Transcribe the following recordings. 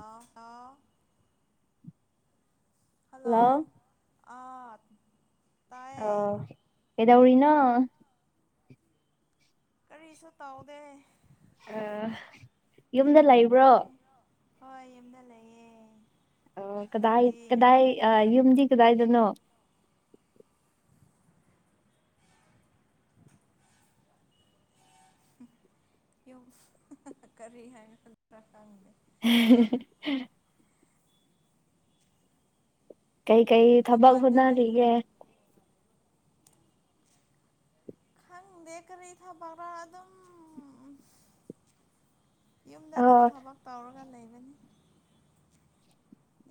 ꯑ ꯍ ꯍꯜꯂꯣ ꯑꯠ ꯀꯩꯗꯧꯔꯤꯅꯣ ꯀꯔꯤꯁꯨ ꯇꯧꯗꯦ ꯑ ꯌꯨꯝꯗ ꯑꯗꯨꯝ ꯂꯩꯕ꯭ꯔꯣ ꯂꯩꯔꯦ ꯍꯣꯏ ꯌꯅ ꯂꯩꯌꯦ ꯑ ꯀꯗꯥꯏ ꯅꯪꯗꯤ ꯀꯗꯥꯏ ꯌꯨꯝꯗꯤ ꯀꯗꯥꯏꯗꯅꯣ [unintelligible] ꯌ ꯀꯔꯤ ꯍꯥꯏꯅ ꯈꯜ꯭ꯔ ꯇꯪꯗꯦ [unintelligible] ꯀꯩ ꯀꯩ ꯊꯕꯛ ꯃꯄꯥꯟꯗ ꯂꯩ ꯐꯅꯔꯤꯒꯦ ꯈꯪꯗꯦ ꯀꯔꯤ ꯊꯕꯔꯥ ꯑꯗꯨꯝ ꯌꯨꯝꯗ ꯑꯣ ꯑꯗꯨꯝ ꯊꯕꯛ ꯇꯧꯔꯒ ꯂꯩꯕꯅꯤ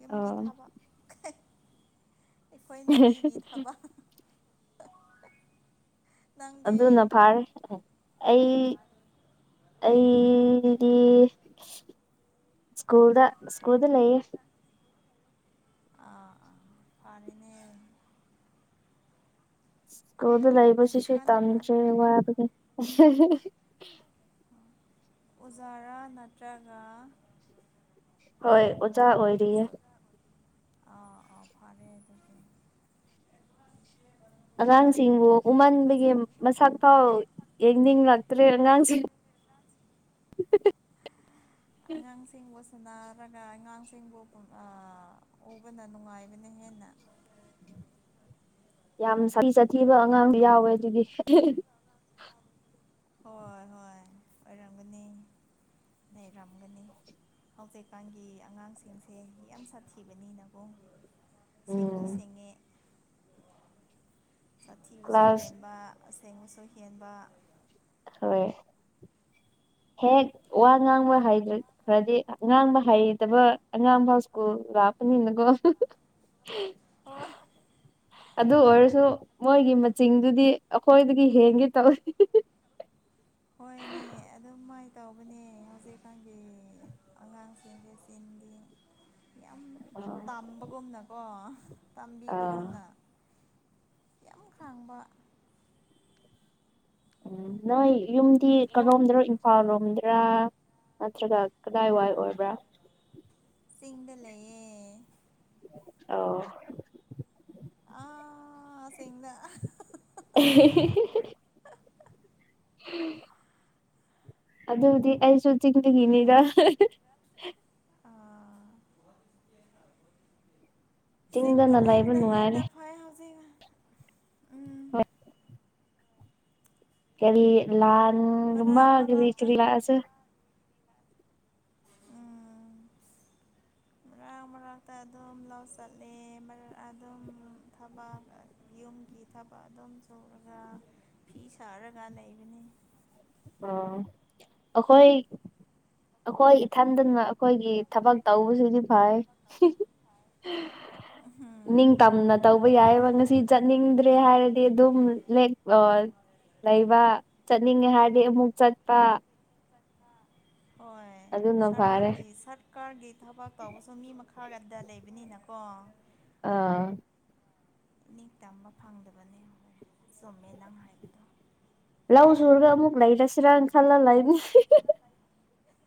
ꯌꯨꯝꯒꯤ ꯑꯣ ꯊꯕꯛ ꯑꯩꯈꯣꯏ ꯅꯨꯕꯤꯒꯤ ꯊꯕꯛ ꯅꯪꯗꯤ ꯑꯗꯨꯅ ꯐꯥꯔꯦ ꯑꯩ ꯑꯩꯗꯤ ꯁꯀꯨꯜꯗ ꯁꯀꯨꯜꯗ ꯂꯩꯌꯦ ꯑꯥ ꯑꯥ ꯐꯅꯦ ꯁ꯭ꯀꯨꯜꯗ ꯂꯥꯏꯔꯤꯛ ꯂꯩꯕꯁꯤꯁꯨ ꯀꯟꯅ ꯇꯝꯗ꯭ꯔꯦ ꯋꯥꯕꯒꯤ ꯎꯖꯥꯔꯥ ꯅꯠꯇ꯭ꯔꯒ ꯍꯣꯏ ꯑꯣꯖꯥ ꯑꯣꯏꯔꯤꯌꯦ ꯑꯥ ꯑꯥ ꯐꯔꯦ ꯑꯗꯨ ꯑꯉꯥꯡꯁꯤꯡꯕꯨ ꯎꯃꯟꯕꯗꯒꯤ ꯃꯁꯛ ꯐꯥꯎ ꯌꯦꯡꯅꯤꯡꯂꯛꯇ꯭ꯔꯦ ꯑꯉꯥꯡꯁꯤꯡ [unintelligible] ꯑꯉꯥꯡꯁꯤꯡꯕꯨ ꯁꯟꯅꯥꯔꯒ ꯑꯉꯥꯡꯁꯤꯡꯕꯨ ꯑꯥ ꯎꯕꯅ ꯅꯨꯡꯉꯥꯏꯕꯅꯦ ꯍꯦꯟꯅ ꯌꯥꯝ ꯁꯥꯊꯤ ꯆꯊꯤꯕ ꯑꯉꯥꯡꯁꯨ ꯌꯥꯎꯋꯦ ꯑꯗꯨꯒꯤ [unintelligible] ꯍꯣꯏ ꯍꯣꯏ ꯑꯣꯏꯔꯝꯒꯅꯤ ꯂꯩꯔꯝꯒꯅꯤ ꯍꯧꯖꯤꯛꯀꯥꯟꯒꯤ ꯑꯉꯥꯡꯁꯤꯡꯁꯦ ꯌꯥꯝ ꯁꯥꯊꯤꯕꯅꯤꯅꯀꯣ ꯁꯤꯡꯗꯨ ꯎꯝ ꯁꯤꯡꯉꯦ ꯁꯥꯊꯤꯕꯁꯨ ꯀ꯭ꯂꯥꯁ ꯍꯦꯟꯕ ꯑꯁꯦꯡꯕꯁꯨ ꯍꯦꯟꯕ ꯍꯣꯏ ꯍꯦꯛ ꯋꯥ ꯉꯥꯡꯕ ꯍꯥꯏꯗ꯭ꯔ ꯈ꯭ꯔꯗꯤ ꯉꯥꯡꯕ ꯍꯩꯇꯕ ꯑꯉꯥꯡ ꯐꯧ ꯁ꯭ꯀꯨꯜ ꯂꯥꯛꯄꯅꯤꯅꯀꯣ [unintelligible] [unintelligible] ꯍꯣꯏ ꯑꯗꯨ ꯑꯣꯏꯔꯁꯨ ꯃꯣꯏꯒꯤ ꯃꯆꯤꯡꯗꯨꯗꯤ ꯑꯩꯈꯣꯏꯗꯒꯤ ꯍꯦꯟꯒꯦ ꯇꯧꯏ [unintelligible] ꯍꯣꯏꯅꯦ ꯑꯗꯨꯝ ꯃꯥꯏ ꯇꯧꯕꯅꯦ ꯍꯧꯖꯤꯛꯀꯥꯟꯒꯤ ꯑꯉꯥꯡꯁꯤꯡꯒꯤ ꯆꯦꯟꯒꯤ ꯌꯥꯝ ꯇꯥꯝꯕꯒꯨꯝꯅꯀꯣ ꯑꯥ ꯇꯝꯕꯤꯕꯒꯨꯝꯅ ꯌꯥꯝ ꯈꯥꯡꯕ ꯎꯝ ꯅꯣꯏ ꯌꯨꯝꯗꯤ ꯀꯔꯣꯝꯗꯔꯣ ꯏꯝꯐꯥꯜ ꯔꯣꯝꯗ꯭ꯔꯥ ꯅꯠꯇ꯭ꯔꯒ ꯀꯗꯥꯏ ꯋꯥꯏ ꯑꯣꯏꯕ꯭ꯔꯥ ꯆꯤꯡꯗ ꯂꯩꯌꯦ ꯑꯥꯎ ꯑꯥ ꯁꯦꯡꯗ [unintelligible] [unintelligible] ꯑꯗꯨꯗꯤ ꯑꯩꯁꯨ ꯆꯤꯡꯗꯒꯤꯅꯤꯗ [unintelligible] ꯑ ꯆꯤꯡꯗ ꯆꯤꯡꯗꯅ ꯂꯩꯕ ꯂꯩꯕꯅ ꯅꯨꯡꯉꯥꯏꯔꯦ ꯍꯦꯟꯅ ꯐꯩ ꯍꯧꯖꯤꯛ ꯎꯝ [unintelligible] ꯀꯔꯤ ꯂꯥꯟ ꯃꯔꯛ ꯃꯥꯒꯔꯤ ꯃꯔꯛꯇ ꯀꯔꯤ ꯂꯥꯛꯑꯁꯦ ꯃꯔꯥꯛ ꯃꯔꯥꯛꯇ ꯑꯗꯨꯝ ꯂꯧ ꯆꯠꯂꯦ ꯃꯔ ꯑꯗꯨꯝ ꯊꯕꯥꯛ ꯌꯨꯝꯒꯤ ꯊꯕꯛ ꯑꯗꯨꯝ ꯁꯧꯔꯒ ꯐꯤ ꯁꯥꯔꯒ ꯂꯩꯕꯅꯤ ꯑꯣ ꯑꯈꯣꯏ ꯑꯈꯣꯏ ꯏꯊꯟꯗꯅ ꯑꯩꯈꯣꯏꯒꯤ ꯊꯕꯛ ꯇꯧꯕꯁꯤꯗꯤ ꯐꯥꯏ [unintelligible] ꯅꯤꯡꯇꯝꯅ ꯇꯧꯕ ꯌꯥꯏꯌꯦꯕ ꯉꯁꯤ ꯆꯠꯅꯤꯡꯗ꯭ꯔꯦ ꯍꯥꯏꯔꯗꯤ ꯑꯗꯨꯝ ꯂꯦꯛ ꯂꯣꯜ ꯂꯩꯕ ꯆꯠꯅꯤꯡꯉꯦ ꯍꯥꯏꯔꯗꯤ ꯑꯃꯨꯛ ꯆꯠꯄ ꯍꯣꯏ ꯑꯗꯨꯅ ꯐꯔꯦ ꯁꯥꯔꯒꯥꯔꯒꯤ ꯁꯠ ꯀꯥꯔꯒꯤ ꯊꯕꯛ ꯇꯧꯕꯁꯨ ꯃꯤ ꯃꯈꯥꯒꯗ ꯂꯩꯕꯅꯤꯅꯀꯣ ꯑꯥ ꯅꯤꯡ ꯇꯝꯕ ꯐꯪꯗꯕꯅꯦ ꯆꯨꯝꯃꯦ ꯅꯪ ꯍꯥꯏꯕꯗꯣ ꯂꯧ ꯁꯨꯔꯒ ꯑꯃꯨꯛ ꯂꯩꯔꯁꯤꯔꯥꯟ ꯈꯜꯂ ꯂꯩꯕꯅꯤ [unintelligible]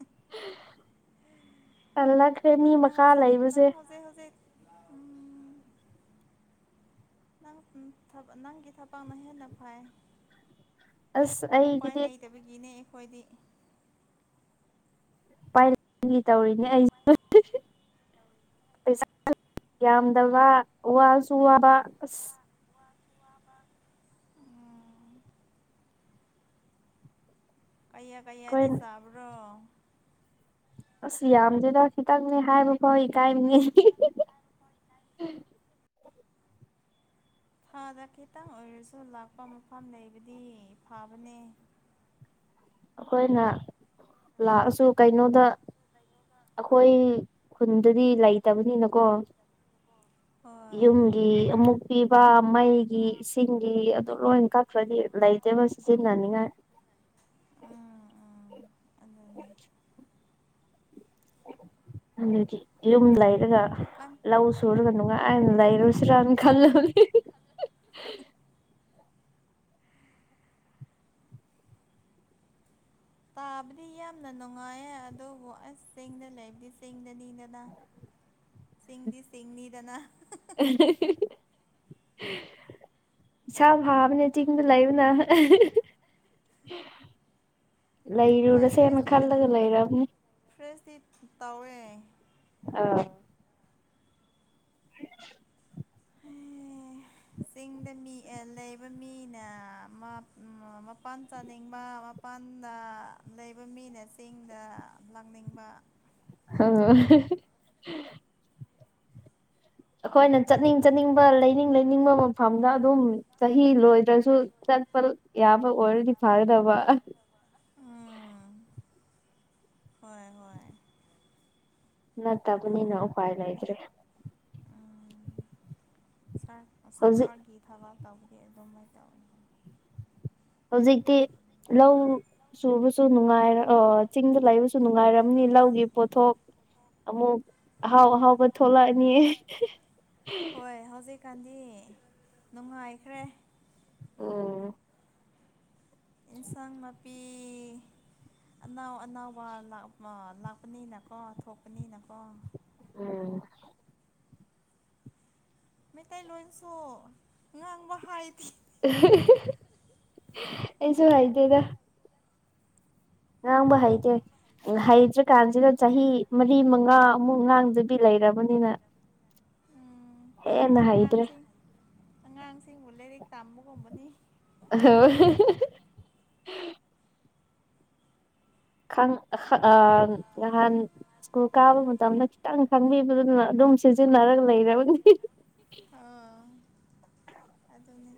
[unintelligible] ꯅꯪꯅ ꯃꯈꯥ ꯍꯧꯖꯤꯛ ꯂꯩꯕꯁꯦ ꯅꯪ ꯍꯧꯖꯤꯛ ꯍꯧꯖꯤꯛ ꯎꯝ ꯅꯪ ꯅꯪꯒꯤ ꯊꯕꯥꯛꯅ ꯍꯦꯟꯅ ꯐꯩ ꯑꯁ ꯎꯄꯥꯏ ꯑꯩꯒꯤꯗꯤ ꯂꯩꯇꯕꯒꯤꯅꯦ ꯑꯩꯈꯣꯏꯗꯤ ꯄꯥꯏ [unintelligible] ꯒꯤ ꯇꯧꯔꯤꯅꯦ ꯑꯩꯁꯨ [unintelligible] ꯄꯩꯁꯥ ꯌꯥꯝꯗꯕ ꯋꯥꯁꯨ ꯋꯥꯕ ꯑꯁ ꯎꯝ ꯀꯌꯥ ꯑꯩꯈꯣꯏ ꯀꯌꯥꯗꯤ ꯆꯥꯕ꯭ꯔꯣ ꯑꯁ ꯌꯥꯝꯗꯦꯗ ꯈꯤꯇꯪꯅꯦ ꯍꯥꯏꯕ ꯐꯥꯎ ꯏꯀꯥꯏꯕꯅꯤ [unintelligible] ꯊꯥꯗ ꯈꯤꯇꯪ ꯑꯣꯏꯔꯁꯨ ꯂꯥꯛꯄ ꯃꯐꯝ ꯂꯩꯕꯗꯤ ꯐꯕꯅꯦ ꯑꯩꯈꯣꯏꯅ ꯂꯥꯛꯑꯁꯨ ꯀꯩꯅꯣꯗ ꯑꯩꯈꯣꯏ ꯈꯨꯟꯗꯗꯤ ꯂꯩꯇꯕꯅꯤꯅꯀꯣ ꯍꯣꯏ ꯌꯨꯝꯒꯤ ꯑꯃꯨꯛ ꯄꯤꯕ ꯃꯩꯒꯤ ꯏꯁꯤꯡ ꯁꯤꯡꯒꯤ ꯑꯗꯨ ꯂꯣꯏ ꯀꯛꯈ꯭ꯔꯗꯤ ꯂꯩꯇꯦꯕ ꯁꯤꯖꯤꯟꯅꯅꯤꯡꯉꯥꯏ ꯎꯝ ꯎꯝ ꯑꯗꯨꯅꯤ ꯑꯗꯨꯗꯤ ꯌꯨꯝ ꯂꯩꯔꯒ ꯀꯟ ꯂꯧ ꯁꯨꯔꯒ ꯅꯨꯡꯉ ꯥꯏꯅ ꯂꯩꯥꯏꯔꯨꯁꯤꯔ ꯈꯜꯂꯕꯅꯤ ꯇꯥꯕꯗꯤ ꯌꯥꯝꯅ ꯅꯨꯡꯉꯥꯏꯌꯦ ꯑꯗꯨꯕꯨ ꯑꯁ ꯆꯤꯡꯗ ꯂꯩꯕꯗꯤ ꯆꯤꯡꯗꯅꯤꯗꯅ [inaudible] ꯆꯤꯡꯗꯤ ꯆꯤꯡꯅꯤꯗꯅ [unintelligible] ꯏꯁꯥ ꯐꯕꯅꯦ ꯆꯤꯡꯗ ꯂꯩꯕꯅ ꯍꯣꯏ ꯂꯩꯔꯨꯔꯁꯦꯅ ꯐ꯭ꯔꯦꯁꯇꯤ ꯈꯜꯂꯒ ꯂꯩꯔꯕꯅꯦ ꯐ꯭ꯔꯦꯁꯇꯤ ꯇꯧꯋꯦ ꯑꯥꯎ [unintelligible] [inaudible] ꯆꯤꯡꯗ ꯃꯤ ꯑꯦ ꯂꯩꯕ ꯃꯤꯅ ꯍꯥ ꯃꯄꯥꯟ ꯆꯥꯅꯤꯡꯕ ꯃꯄꯥꯟꯗ ꯂꯩꯕ ꯃꯤꯅ ꯆꯤꯡꯗ ꯂꯥꯛꯅꯤꯡꯕ [unintelligible] ꯑꯩꯈꯣꯏꯅ ꯆꯠꯅꯤꯡ ꯆꯠꯅꯤꯡꯕ ꯂꯩꯅꯤꯡ ꯂꯩꯅꯤꯡꯕ ꯃꯐꯝꯗ ꯑꯗꯨꯝ ꯆꯍꯤ ꯂꯣꯏꯗ꯭ꯔꯁꯨ ꯆꯠꯄ ꯌꯥꯕ ꯑꯣꯏꯔꯗꯤ ꯐꯥꯒꯗꯕ ꯎꯝ ꯍꯣꯏ ꯍꯣꯏ ꯅꯠꯇꯕꯅꯤꯅ ꯎꯄꯥꯏ ꯂꯩꯇ꯭ꯔꯦ ꯁꯔ ꯍꯧꯖꯤꯛ ꯁꯔꯀꯥꯔꯒꯤ ꯊꯕꯛ ꯇꯧꯕꯗꯤ ꯑꯗꯨꯃꯥꯏꯅ ꯇꯧꯋꯦ ꯍꯧꯖꯤꯛꯇꯤ ꯂꯧ ꯁꯨꯕ ꯁꯨ ꯅꯨꯡꯉꯥꯏꯔ ꯑꯣ ꯆꯤꯡꯗ ꯂꯩꯕꯁꯨ ꯅꯨꯡꯉꯥꯏꯔꯝꯅꯤ ꯂꯧꯒꯤ ꯄꯣꯊꯣꯛ ꯑꯃꯨꯛ ꯑꯍꯥꯎ ꯑꯍꯥꯎꯕ ꯊꯣꯛꯂꯛꯑꯅꯤ ꯍꯣꯏ ꯍꯧꯖꯤꯛ ꯀꯥꯟꯗꯤ ꯅꯨꯡꯉꯥꯏꯈ꯭ꯔꯦ ꯑꯣ ꯏꯟꯁꯥꯡ ꯅꯥꯄꯤ ꯑꯅꯥꯎ ꯑꯅꯥꯎꯕ ꯂꯥꯛꯄꯅꯤꯅꯀꯣ ꯊꯣꯛꯄꯅꯤꯅꯀꯣ ꯎꯝ ꯃꯩꯇꯩꯂꯣꯟꯁꯨ ꯉꯥꯡꯕ ꯍꯥꯏꯇꯦ ꯑꯩꯁꯨ ꯍꯥꯏꯗꯦꯗ ꯉꯥꯡꯕ ꯍꯩꯇꯦ ꯍꯥꯏꯇ꯭ꯔꯥ ꯀꯥꯟꯁꯤꯗ ꯆꯍꯤ ꯃꯔꯤ ꯃꯉꯥꯃꯨꯛ ꯉꯥꯡꯖꯕꯤ ꯂꯩꯔꯕꯅꯤꯅ ꯎꯝ ꯍꯦꯟꯅ ꯍꯩꯇ꯭ꯔꯦ ꯑꯉꯥꯡꯁꯤꯡ ꯑꯉꯥꯡꯁꯤꯡꯕꯨ ꯂꯥꯏꯔꯤꯛ ꯇꯝꯕꯒꯨꯝꯕꯅꯤ [unintelligible] ꯈꯪ ꯅꯍꯥꯟ ꯁ꯭ꯀꯨꯜ ꯀꯥꯕ ꯃꯇꯝꯗ ꯈꯤꯇꯪ ꯈꯪꯕꯤꯕ ꯑꯗꯨꯅ ꯑꯗꯨꯝ ꯁꯤꯖꯤꯟꯅꯔꯒ ꯂꯩꯔꯕꯗꯤ ꯑꯥ ꯑꯗꯨꯅꯦ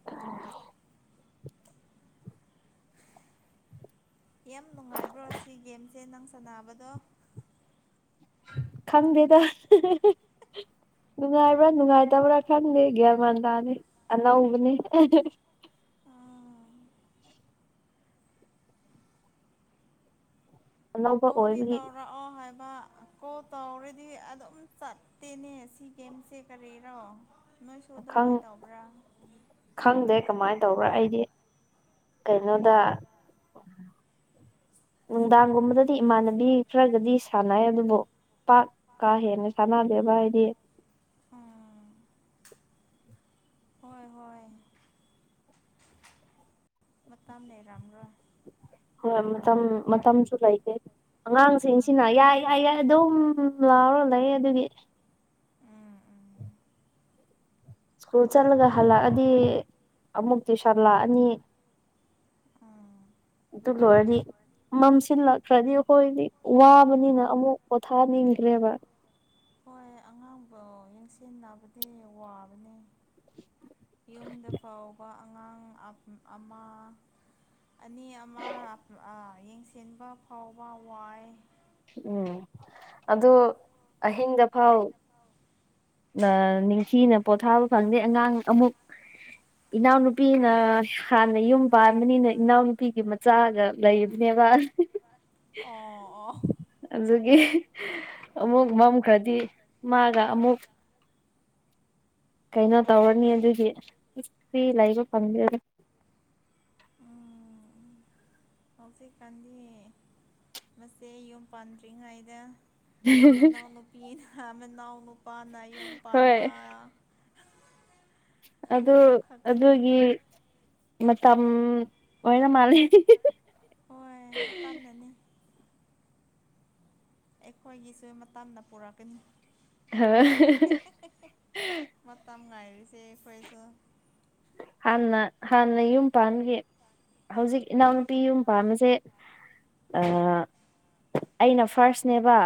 [unintelligible] ꯌꯥꯝ ꯅꯨꯡꯉꯥꯏꯕ꯭ꯔꯣ ꯁꯤ ꯒꯦꯝꯁꯦ ꯅꯪ ꯁꯥꯟꯅꯕꯗꯣ ꯈꯪꯗꯦꯗ ꯅꯨꯡꯉꯥꯏꯕ꯭ꯔꯥ ꯅꯨꯡꯉꯥꯏꯇꯕ꯭ꯔꯥ ꯈꯟꯗꯦ ꯒ꯭ꯌꯥꯟ ꯃꯟ ꯇꯥꯗꯦ ꯑꯅꯧꯕꯅꯦ ꯑꯅꯧꯕ ꯀꯣꯜꯗꯤ ꯑꯣꯏꯕꯒꯤ ꯇꯧꯔꯛꯑꯣ ꯍꯥꯏꯕ ꯀꯣ ꯇꯧꯔꯗꯤ ꯑꯗꯨꯝ ꯆꯠꯇꯦꯅꯦ ꯁꯤ ꯒꯦꯝꯁꯦ ꯀꯔꯤꯔꯣ ꯅꯣꯏꯁꯨ ꯈꯪ ꯑꯗꯨꯃꯥꯏ ꯇꯧꯕ꯭ꯔꯥ ꯈꯪꯗꯦ ꯀꯃꯥꯏꯟ ꯇꯧꯕ꯭ꯔꯥ ꯑꯩꯗꯤ ꯀꯩꯅꯣꯗ ꯅꯨꯡꯗꯥꯡꯒꯨꯝꯕꯗꯗꯤ ꯏꯃꯥꯟꯅꯕꯤ ꯈꯔꯒꯗꯤ ꯁꯥꯟꯅꯩ ꯑꯗꯨꯕꯨ ꯄꯥꯛ ꯀꯥ ꯍꯦꯟꯅ ꯁꯥꯟꯅꯗꯦꯕ ꯍꯥꯏꯗꯤ ꯎꯝ ꯍꯣꯏ ꯍꯣꯏ ꯃꯇꯝ ꯂꯩꯔꯝꯔꯣꯏ ꯃꯇꯝ ꯃꯇꯝꯁꯨ ꯂꯩꯇꯦ ꯎꯝ ꯑꯉꯥꯡꯁꯤꯡꯁꯤꯅ ꯌꯥꯏ ꯌꯥꯏ ꯌꯥꯏ ꯑꯗꯨꯝ ꯂꯥꯎꯔ ꯂꯩ ꯑꯗꯨꯒꯤ ꯎꯝ ꯎꯝ ꯁ꯭ꯀꯨꯜ ꯆꯠꯂꯒ ꯍꯜꯂꯛꯑꯗꯤ ꯑꯃꯨꯛ ꯇ꯭ꯨꯁꯟꯂꯥꯛꯑꯅꯤ ꯎꯝ ꯇꯨꯡ ꯂꯣꯏꯗꯤ ꯃꯝꯁꯤꯜꯂꯛꯈ꯭ꯔꯗꯤ ꯑꯩꯈꯣꯏꯗꯤ ꯋꯥꯕꯅꯤꯅ ꯑꯃꯨꯛ ꯄꯣꯊꯥꯅꯤꯡꯈ꯭ꯔꯦꯕ ꯍꯣꯏ ꯑꯉꯥꯡꯕꯨ ꯌꯦꯡꯁꯤꯕꯗꯤ ꯋꯥꯕꯅꯤ ꯌꯨꯝꯗ ꯐꯥꯎꯕ ꯑꯉꯥꯡ ꯑꯃ ꯑꯅꯤ ꯑꯃ ꯌꯦꯡꯁꯤꯟꯕ ꯐꯥꯎꯕ ꯋꯥꯏ ꯎꯝ ꯑꯗꯨ ꯑꯍꯤꯡꯗ ꯐꯥꯎ ꯅꯤꯡꯊꯤꯅ ꯄꯣꯊꯥꯕ ꯐꯪꯗꯦ ꯑꯉꯥꯡ ꯑꯃꯨꯛ ꯏꯅꯥꯎꯅꯨꯄꯤꯅ ꯍꯥꯟꯅ ꯌꯨꯝ ꯄꯥꯟꯕꯅꯤꯅ ꯏꯅꯥꯎꯅꯨꯄꯤꯒꯤ ꯃꯆꯥꯒ ꯂꯩꯕꯅꯦꯕ ꯑꯣ ꯑꯣ ꯑꯗꯨꯒꯤ ꯑꯃꯨꯛ ꯃꯝꯈ꯭ꯔꯗꯤ ꯃꯥꯒ ꯑꯃꯨꯛ ꯀꯩꯅꯣ ꯇꯧꯔꯅꯤ ꯑꯗꯨꯒꯤ ꯐꯤ ꯂꯩꯕ ꯐꯪꯗ ꯎꯝ ꯍꯧꯖꯤꯛꯀꯥꯟꯗꯤ ꯃꯁꯦ ꯌꯨꯝ ꯄꯥꯟꯗ꯭ꯔꯤꯉꯩꯗ ꯃꯅꯥꯎ ꯅꯨꯄꯤꯅ ꯃꯅꯥꯎ ꯅꯨꯄꯥꯅꯅꯥ ꯌꯨꯝ ꯍꯣꯏ ꯄꯥꯟꯕ [unintelligible] ꯑꯗꯨ ꯑꯗꯨꯒꯤ ꯃꯇꯝ ꯂꯣꯏꯅ ꯃꯥꯥꯟꯅꯩ ꯍꯣꯏ ꯃꯇꯝꯅꯅꯤ ꯑꯩꯈꯣꯏꯒꯤꯁꯨ ꯃꯇꯝꯅ ꯄꯨꯔꯛꯀꯅꯤ ꯍꯥ [unintelligible] ꯃꯠꯇ ꯑꯃ ꯉꯥꯏ ꯍꯥꯏꯔꯤꯁ ꯐꯣꯏꯁꯨ ꯍꯥꯟꯅ ꯍꯥꯟꯅ ꯌꯨꯝ ꯄꯒꯤ ꯍꯧꯖꯤꯛ ꯏꯅꯥꯎꯅꯨꯄꯤ ꯌꯨꯝ ꯄꯥꯟꯕꯁꯦ ꯑꯩꯅ ꯐꯥꯔꯁꯅꯦꯕ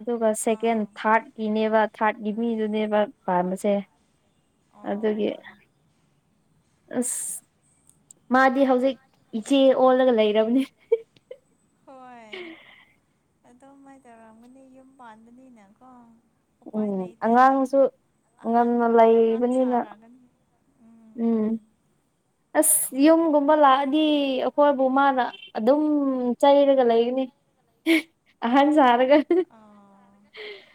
ꯑꯗꯨꯒ ꯁꯦꯀꯦꯟ ꯑꯥ ꯊꯥꯔꯠꯀꯤꯅꯦꯕ ꯊꯥꯔꯠꯀꯤ ꯃꯤꯗꯨꯅꯦꯕ ꯄꯥꯝꯕꯁꯦ ꯑꯗꯨꯒꯤ ꯑꯥ ꯑꯁ ꯃꯥꯗꯤ ꯍꯧꯖꯤꯛ ꯏꯆꯦ ꯑꯣꯜꯂꯒ ꯂꯩꯔꯕꯅꯤ ꯍꯣꯏ ꯑꯗꯨ ꯀꯃꯥꯏꯅ ꯇꯧꯔꯝꯒꯅꯤ ꯌꯨꯝ ꯄꯥꯟꯕꯅꯤꯅꯀꯣ ꯎꯄꯥꯏ ꯎꯝ ꯂꯩꯇꯦꯅ ꯑꯉꯥꯡꯁꯨ ꯑꯍꯥꯟ ꯉꯟꯅ ꯑꯍꯥꯟ ꯂꯩꯕꯅꯤꯅ ꯁꯥꯔꯛꯑꯒꯅꯤ ꯎꯝ ꯑꯁ ꯌꯨꯝꯒꯨꯝꯕ ꯂꯥꯛꯑꯗꯤ ꯑꯩꯈꯣꯏꯕꯨ ꯃꯥꯅ ꯑꯗꯨꯝ ꯆꯩꯔꯒ ꯂꯩꯒꯅꯤ ꯑꯍꯟ ꯁꯥꯔꯒ ꯑꯥ ꯎꯝ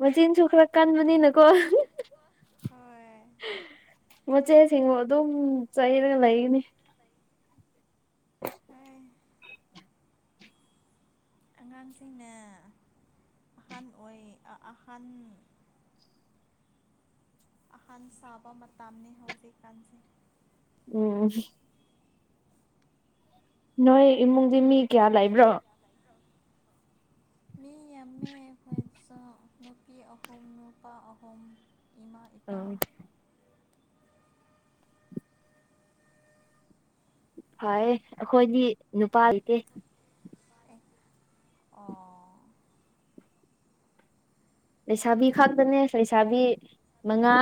ꯃꯆꯤꯟꯁꯨ ꯈꯔ ꯀꯟꯕꯅꯤꯅꯀꯣ ꯍꯣꯏ ꯃꯆꯦꯁꯤꯡꯕꯨ ꯑꯗꯨꯝ ꯆꯩꯔꯒ ꯂꯩꯒꯅꯤ ꯍ ꯑꯉꯥꯡꯁꯤꯡꯅ ꯑꯍꯟ ꯑꯣꯏ ꯑꯍꯟ ꯑꯍꯥꯟ ꯁꯥꯕ ꯃꯇꯝꯅꯦ ꯍꯧꯖꯤꯛ ꯀꯥꯟꯁꯩ ꯎꯝ ꯅꯣꯏ ꯏꯃꯨꯡꯗꯤ ꯃꯤ ꯀꯌꯥ ꯂꯩꯕ꯭ꯔꯣ ꯃꯤ ꯌꯥꯝꯃꯦ ꯍꯣꯏꯁꯨ ꯅꯨꯄꯤ ꯑꯍꯨꯝ ꯅꯨꯄꯥ ꯑꯍꯨꯝ ꯏꯃꯥ ꯏꯄꯥ ꯎꯝ ꯐꯔ ꯑꯩꯈꯣꯏꯗꯤ ꯅꯨꯄꯥ ꯂꯩꯇꯦ ꯑꯦ ꯑꯣ ꯂꯩꯁꯥꯕꯤ ꯈꯛꯇꯅꯦ ꯂꯩꯁꯥꯕꯤ ꯃꯉꯥ ꯅꯨꯄꯤ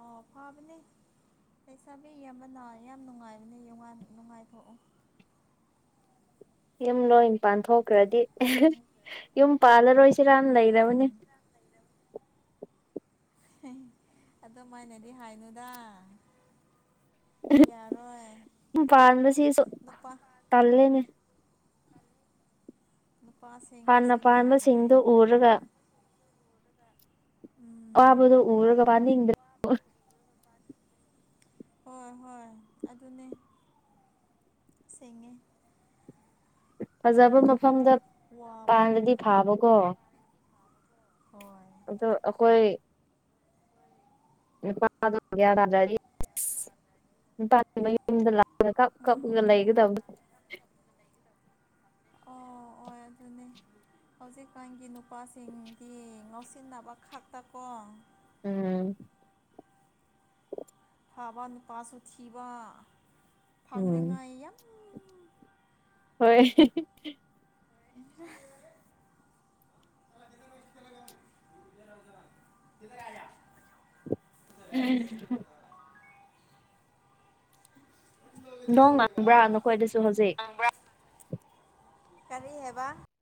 ꯑꯣ ꯈꯋꯥ ꯄꯅꯦ ꯂꯩꯁꯥꯕꯤ ꯑꯃꯅ ꯌꯥꯝ ꯅꯨꯡꯉꯥꯏꯕꯅꯦ ꯅꯨꯡꯉꯥꯏꯊꯣꯛꯎ ꯌꯨꯝ ꯂꯣꯏ ꯄꯥꯟꯊꯣꯛꯈ꯭ꯔꯗꯤ ꯅꯪ ꯌꯨꯝ ꯄꯥꯜꯂꯔꯣꯏꯁꯤꯔꯥ ꯎꯝ ꯂꯩꯔꯕꯅꯤ ꯑꯗꯨꯃꯥꯏꯅꯗꯤ ꯍꯥꯏꯅꯨꯗ ꯌꯥꯔꯣꯏ ꯄꯥꯗꯁꯤ ꯅꯨꯄꯥ ꯇꯜꯂꯦꯅꯦ ꯅꯨꯄꯥꯁꯤꯡꯅꯁꯨ ꯌꯥꯔꯣꯏ ꯄꯨꯔꯒ ꯎꯝ ꯋꯥꯕꯨꯗ ꯎꯔꯒ ꯋꯥ ꯑ ꯍꯣꯏ ꯍꯣꯏ ꯑꯗꯨꯅꯦ ꯁꯦꯡꯉꯦ ꯐꯖꯕ ꯃꯐꯝꯗ ꯋꯥꯞ ꯄꯥꯟꯕꯥꯟꯗꯗꯤ ꯐꯥꯕꯀꯣ ꯍꯣꯏ ꯑꯗꯣ ꯑꯩꯈꯣꯏ ꯑ [unintelligible] ꯌꯨꯝꯗ ꯂꯥꯛꯑꯒ ꯀ ꯀꯞꯂꯒ ꯎꯝ ꯂꯩꯒꯗꯕ ꯑꯣ ꯑꯣ ꯑꯗꯨꯅꯦ ꯍꯧꯖꯤꯛꯀꯥꯟꯒꯤ ꯅꯨꯄꯥꯁꯤꯡꯗꯤ ꯉꯥꯎꯁꯤꯟꯅꯕ ꯈꯛꯇꯀꯣ ꯎꯝ ꯊꯥꯕ ꯅꯨꯄꯥꯁꯨ ꯊꯤꯕ ꯎꯝ ꯐꯪꯅꯤꯉꯥꯏ ꯌꯥꯝ ꯍꯣꯏ ꯏꯆ [unintelligible] ꯍ ꯅꯣꯡ ꯃꯥꯡꯕ꯭ꯔꯥ ꯅꯈꯣꯏꯗꯁꯨ ꯍꯧꯖꯤꯛ ꯀꯔꯤ ꯍꯥꯏꯦꯕ